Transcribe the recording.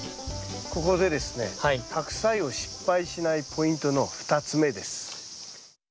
ここでですねハクサイを失敗しないポイントの２つ目です。